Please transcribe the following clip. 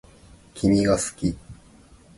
君が好き